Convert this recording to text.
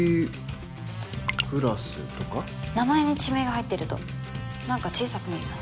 名前に地名が入ってるとなんか小さく見えます。